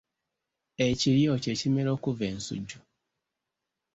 Ekiryo kye kimera okuva ensujju.